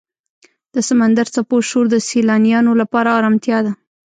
د سمندر څپو شور د سیلانیانو لپاره آرامتیا ده.